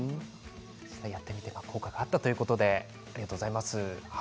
効果があったということでありがとうございました。